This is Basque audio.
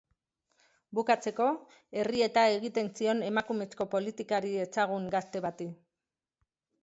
Bukatzeko, errieta egiten zion emakumezko politikari ezagun gazte bati.